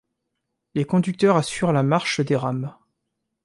Les conducteurs assurent la marche des rames.